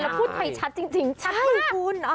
แล้วพูดไปชัดจริงชัดมาก